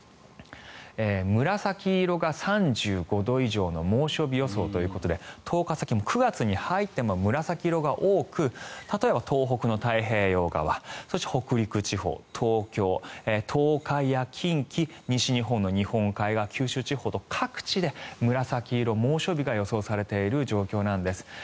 紫色が３５度以上の猛暑日予想ということで１０日先、９月に入っても紫色が多く例えば東北の太平洋側そして北陸地方東京、東海や近畿西日本の日本海側九州地方と、各地で紫色猛暑日が予想されている状況なんです。